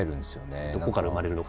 どこから生まれるのかですよね。